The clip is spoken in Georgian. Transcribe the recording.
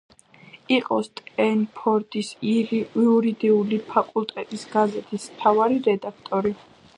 იყო სტენფორდის იურიდიული ფაკულტეტის გაზეთის მთავარი რედაქტორი.